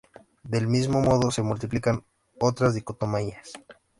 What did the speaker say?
Del mismo modo se multiplican otras dicotomías.